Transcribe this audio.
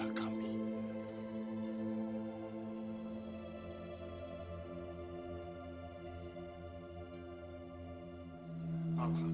allah ambunilah kami